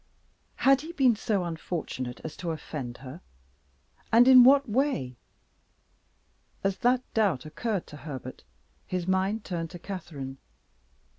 Had he been so unfortunate as to offend her? And in what way? As that doubt occurred to Herbert his mind turned to Catherine.